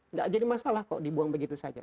nggak jadi masalah kok dibuang begitu saja